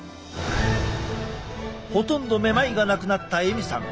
ほとんどめまいがなくなったエミさん。